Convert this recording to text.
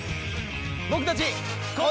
僕たち。